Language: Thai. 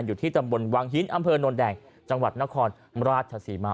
อยู่ที่ตำบลวังหินอำเภอโนนแดงจังหวัดนครราชศรีมา